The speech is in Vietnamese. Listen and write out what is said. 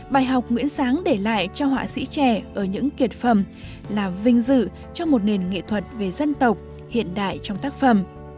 bài học nguyễn sáng để lại cho họa sĩ trẻ ở những kiệt phẩm là vinh dự cho một nền nghệ thuật về dân tộc hiện đại trong tác phẩm